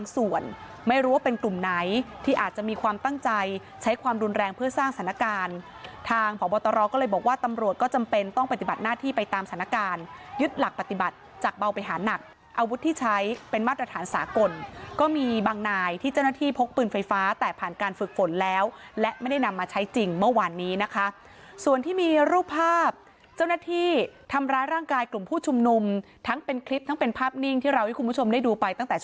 สถานการณ์ทางผอบตรก็เลยบอกว่าตำรวจก็จำเป็นต้องปฏิบัติหน้าที่ไปตามสถานการณ์ยึดหลักปฏิบัติจากเบาไปหาหนักอาวุธที่ใช้เป็นมาตรฐานสากลก็มีบางนายที่เจ้าหน้าที่พกปืนไฟฟ้าแต่ผ่านการฝึกฝนแล้วและไม่ได้นำมาใช้จริงเมื่อวานนี้นะคะส่วนที่มีรูปภาพเจ้าหน้าที่ทำร้ายร่างกายกลุ่มผู้